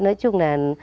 nói chung là